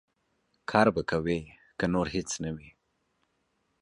کار به کوې، که نور هېڅ نه وي.